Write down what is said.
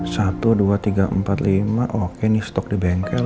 satu dua tiga empat lima oke ini stok di bengkel